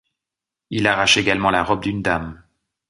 Il arrache également la robe d'une dame.